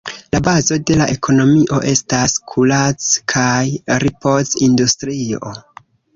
La bazo de la ekonomio estas kurac- kaj ripoz-industrio.